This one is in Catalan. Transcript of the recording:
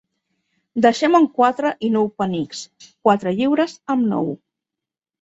Deixem-ho en quatre i nou penics: quatre lliures amb nou.